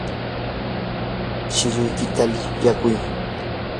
shilluykita llimpikuy.